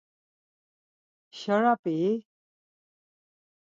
Şarap̌i-i?